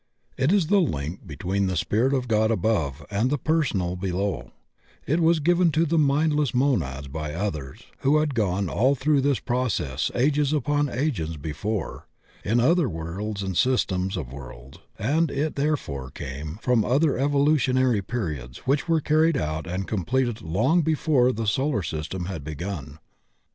It is the link between the Spirit of God above and the personal below; it was given to the mindless monads by others who had gone all through this process ages upon ages before in other worlds and systems of worlds, and it there fore came from other evolutionary periods which were carried out and completed long before the solar system had begun.